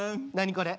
これ。